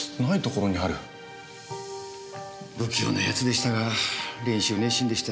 不器用な奴でしたが練習熱心でした。